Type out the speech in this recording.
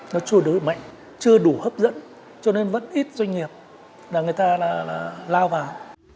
nó chưa đối mạnh chưa đủ hấp dẫn cho nên vẫn ít doanh nghiệp là người ta lao vào